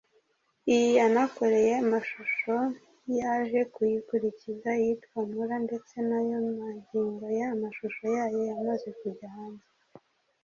Iyi yanakoreye amashusho yaje kuyikurikiza iyitwa ‘Mula’ ndetse nayo magingo aya amashusho yayo yamaze kujya hanze